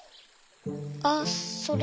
あっそれ。